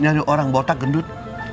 nyari orang botak gendut